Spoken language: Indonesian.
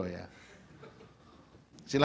oke yang intinya saja